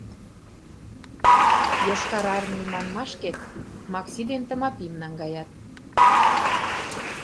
Йошкар Армий манмашкет Макси ден Тымапим наҥгаят.